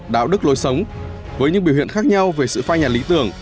đạo đức lối sống với những biểu hiện khác nhau về sự phai nhà lý tưởng